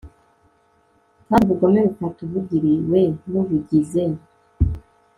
kandi ubugome bufata ubugiriwe n'ubugize